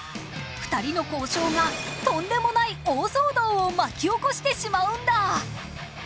２人の交渉がとんでもない大騒動を巻き起こしてしまうんだ！